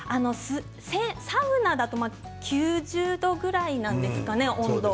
サウナだと９０度くらいなんですかね温度は。